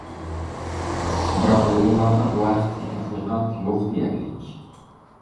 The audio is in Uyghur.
بىراق ئۇيغۇرلاردا بۇ ھەقتىكى تەتقىقات يوق دېيەرلىك.